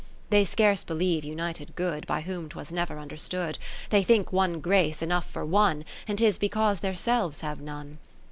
XV They scarce believe united good, By whom 'twas never understood : They think one Grace enough for one, And 'tis because their selves have none.